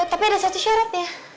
tapi ada satu syarat ya